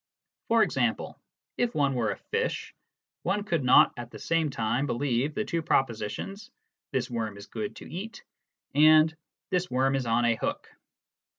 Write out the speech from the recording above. E.g., if one were a fish, one could not at the same time believe the two propositions " this worm is good to eat " and " this worm is on a hook."